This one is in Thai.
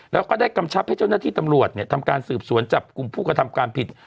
แล้วก็ได้กำชับให้เจ้าหน้าที่ตำรวจทำการสืบสวนจับกลุ่มผู้กระทำความผิด